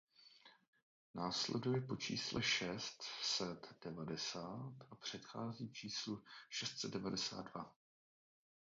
Následuje po čísle šest set devadesát a předchází číslu šest set devadesát dva.